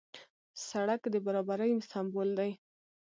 سړک د برابرۍ سمبول دی.